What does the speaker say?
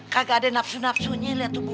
kagak ada nafsu nafsunya liat tuh bubur